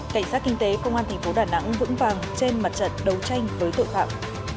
cảnh sát kinh tế công an tp đà nẵng vững vàng trên mặt trận đấu tranh với tội phạm